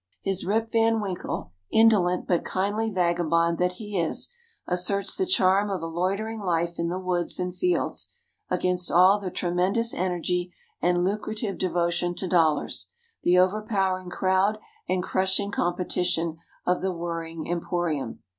His Rip Van Winkle, indolent but kindly vagabond that he is, asserts the charm of a loitering life in the woods and fields, against all the tremendous energy and lucrative devotion to dollars, the overpowering crowd and crushing competition, of the whirring emporium.